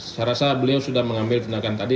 saya rasa beliau sudah mengambil tindakan tadi